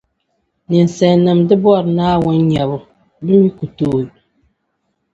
Ninsalinim di bɔri Naawuni nyabu, bɛ mi kutooi